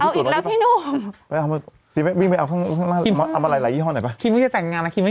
นี่เหมือนกับมันก่อนก็คว้านไปแล้วใช่ไหม